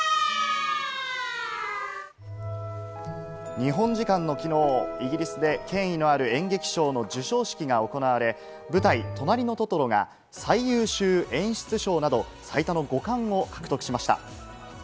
日本時間の昨日、イギリスで権威のある演劇賞の授賞式が行われ、舞台『となりのトトロ』が最優秀演出賞など最多の５冠を獲得しました。